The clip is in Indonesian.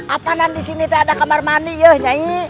apa disini ada kamar mandi